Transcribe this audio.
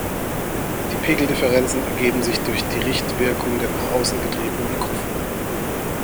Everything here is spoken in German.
Die Pegeldifferenzen ergeben sich durch die Richtwirkung der nach außen gedrehten Mikrofone.